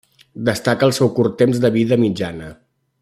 Destaca el seu curt temps de vida mitjana.